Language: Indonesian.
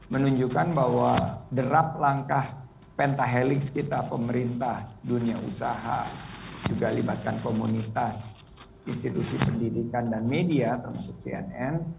menunjukkan bahwa derap langkah pentahelix kita pemerintah dunia usaha juga libatkan komunitas institusi pendidikan dan media termasuk cnn